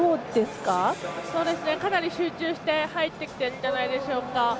かなり集中して入っているんじゃないでしょうか。